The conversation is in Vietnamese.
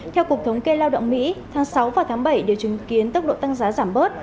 theo cục thống kê lao động mỹ tháng sáu và tháng bảy đều chứng kiến tốc độ tăng giá giảm bớt